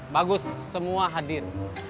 bagus semua hadir